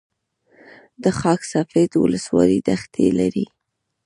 د خاک سفید ولسوالۍ دښتې لري